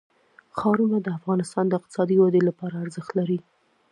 ښارونه د افغانستان د اقتصادي ودې لپاره ارزښت لري.